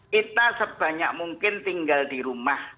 kita sebanyak mungkin tinggal di rumah